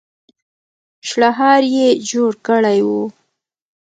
شړهار يې جوړ کړی و.